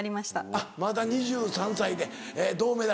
あっまだ２３歳で銅メダル。